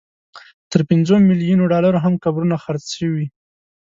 تر پنځو ملیونو ډالرو هم قبرونه خرڅ شوي.